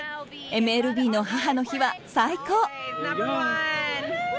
ＭＬＢの母の日は最高。